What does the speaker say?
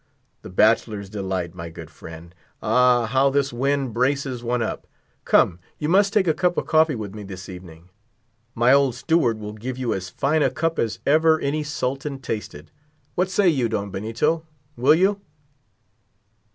The Bachelor's Delight, my good friend. Ah, how this wind braces one up. Come, you must take a cup of coffee with me this evening. My old steward will give you as fine a cup as ever any sultan tasted. What say you, Don Benito, will you?"